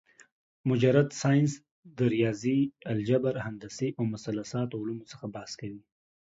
مجرد ساينس د رياضي ، الجبر ، هندسې او مثلثاتو علومو څخه بحث کوي